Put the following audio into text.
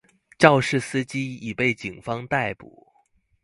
肇事司機已被警方逮捕